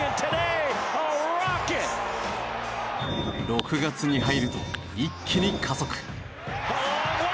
６月に入ると一気に加速。